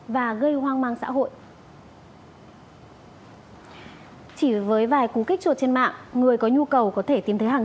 và gây hoang mang xã hội chỉ với vài cú kích chuột trên mạng người có nhu cầu có thể tìm thấy hàng